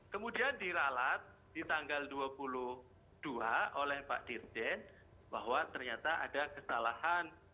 kemudian diralat di tanggal dua puluh dua oleh pak dirjen bahwa ternyata ada kesalahan